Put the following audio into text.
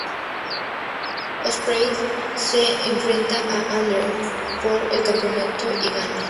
Ospreay se enfrenta a Andrews por el campeonato y gana.